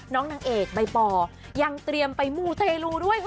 นางเอกใบปอยังเตรียมไปมูเตรลูด้วย